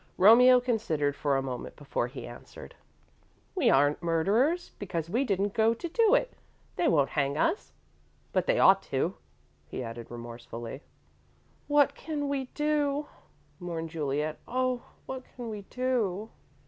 Romeo considered for a moment before he answered. "We aren't murderers, because we didn't go to do it. They won't hang us but they ought to," he added, remorsefully. "What can we do?" mourned Juliet. "Oh, what can we do?"